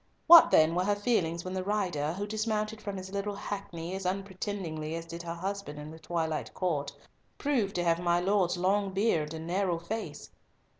What then were her feelings when the rider, who dismounted from his little hackney as unpretendingly as did her husband in the twilight court, proved to have my Lord's long beard and narrow face!